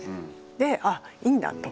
で「あいいんだ」と。